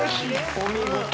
お見事！